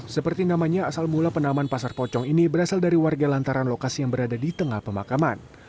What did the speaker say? seperti namanya asal mula penaman pasar pocong ini berasal dari warga lantaran lokasi yang berada di tengah pemakaman